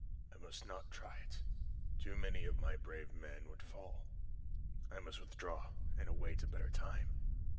"I must not try it. Too many of my brave men would fall. I must withdraw, and await a better time."